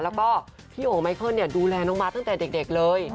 แล้วก็พี่โอไมเคิลดูแลน้องมาตั้งแต่เด็กเลย